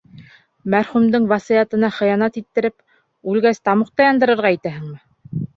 Мәрхүмдең васыятына хыянат иттереп, үлгәс, тамуҡта яндырырға итәһеңме?